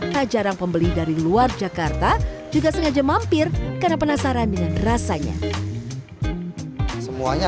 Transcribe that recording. tak jarang pembeli dari luar jakarta juga sengaja mampir karena penasaran dengan rasanya semuanya